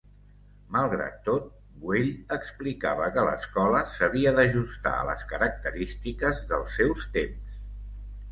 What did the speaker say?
Malgrat tot, Güell explicava que l’escola s’havia d’ajustar a les característiques dels seus temps.